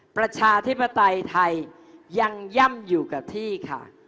ประชาธิปไตยไทยยังย่ำอยู่กับที่ค่ะ